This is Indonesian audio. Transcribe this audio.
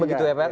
ya karena takut